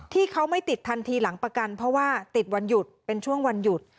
ที่เขาไม่ติดทันทีหลังประกันเพราะว่าติดวันหยุดเป็นช่วงวันหยุด